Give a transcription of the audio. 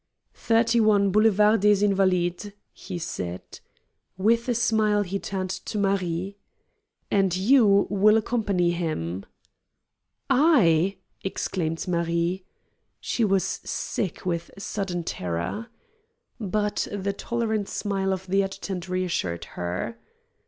"Thirty one, Boulevard des Invalides," he said. With a smile he turned to Marie. "And you will accompany him!" "I!" exclaimed Marie. She was sick with sudden terror. But the tolerant smile of the adjutant reassured her.